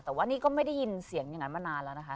แต่ว่านี่ก็ไม่ได้ยินเสียงอย่างนั้นมานานแล้วนะคะ